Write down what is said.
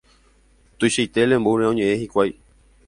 tuichaite lembúre oñe'ẽ hikuái